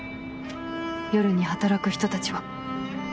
夜に働く人たちは。